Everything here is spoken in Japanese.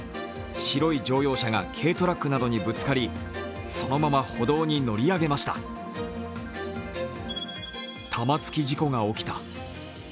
白い乗用車が軽トラックなどにぶつかり、そのまま歩道に乗り上げました。